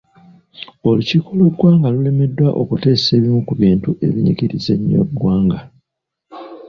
Olukiiko lw'eggwanga lulemeddwa okuteesa ebimu ku bintu ebinyigiriza ennyo eggwanga.